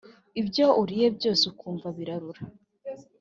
Ibyo uriye byose ukumva birarura